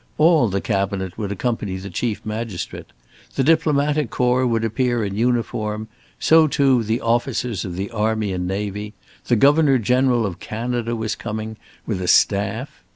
All the Cabinet would accompany the Chief Magistrate. The diplomatic corps would appear in uniform; so, too, the officers of the army and navy; the Governor General of Canada was coming, with a staff.